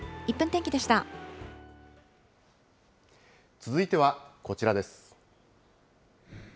続いてはこちらです。